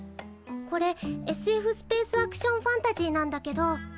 これＳＦスペースアクションファンタジーなんだけど。